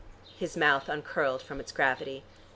His mouth uncurled from its gravity.